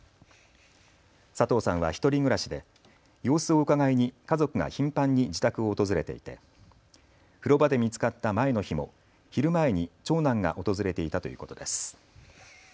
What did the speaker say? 佐藤さんは１人暮らしで様子をうかがいに家族が頻繁に自宅を訪れていて風呂場で見つかった前の日も昼前に長男が訪れていたということです。